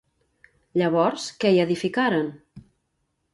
Llavors, què hi edificaren?